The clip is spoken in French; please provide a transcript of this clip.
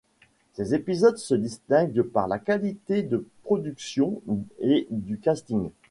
Ces épisodes se distinguent par la qualité de production et du casting.